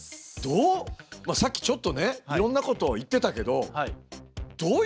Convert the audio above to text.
さっきちょっとねいろんなことを言ってたけどどういうふうに。